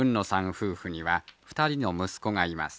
夫婦には２人の息子がいます。